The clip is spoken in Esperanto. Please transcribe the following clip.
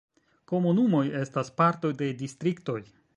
Komunumoj estas partoj de distriktoj.